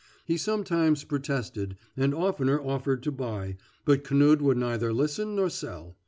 He sometimes protested and oftener offered to buy, but Knud would neither listen nor sell.